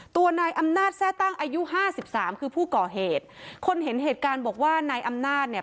ตัวนายอำนาจแทร่ตั้งอายุห้าสิบสามคือผู้ก่อเหตุคนเห็นเหตุการณ์บอกว่านายอำนาจเนี่ย